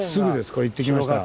これ行ってきました。